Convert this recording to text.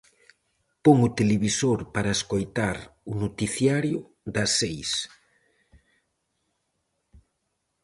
Pon o televisor para escoitar o noticiario das seis.